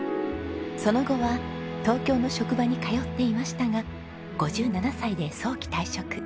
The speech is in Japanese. その後は東京の職場に通っていましたが５７歳で早期退職。